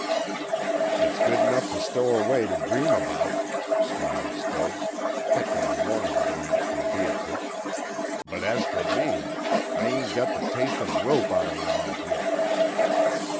"It's good enough to stow erway ter dream about," smiled Stubbs, catching a warning glance from Beatrice, "but as fer me, I h'ain't gut th' taste of rope outer my mouth yet."